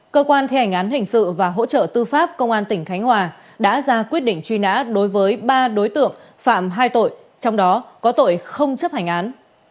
cơ quan thi hành án hình sự và hỗ trợ tư pháp công an tỉnh khánh hòa đã ra quyết định truy nã đối với ba đối tượng phạm hai tội trong đó có tội không chấp hành án